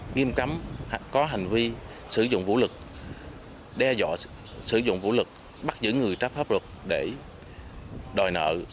nghiêm cấm có hành vi sử dụng vũ lực đe dọa sử dụng vũ lực bắt giữ người trái pháp luật để đòi nợ